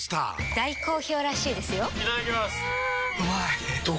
大好評らしいですよんうまい！